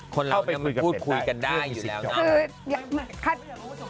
เขานี่คุยกันได้